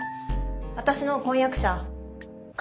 私の婚約者格馬。